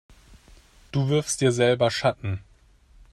Du wirfst dir selber Schatten.